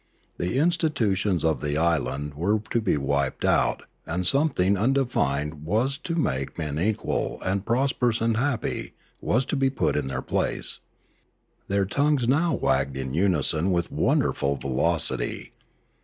The institutions of the island were to be wiped out, and something undefined that was to make men equal and prosperous and happy was to be put in their place. Their tongues now wagged in unison with wonderful velocity.